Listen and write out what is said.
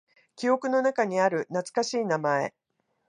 記憶の中にある懐かしい名前。